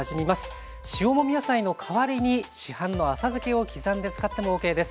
塩もみ野菜の代わりに市販の浅漬けを刻んで使ってもＯＫです。